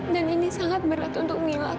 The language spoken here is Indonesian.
dan ini sangat berat untuk hilah